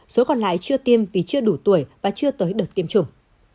số còn lại chưa tiêm vì chưa đủ tuổi và chưa tới đợt tiêm chủng